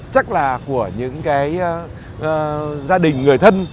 chắc là của những gia đình người thân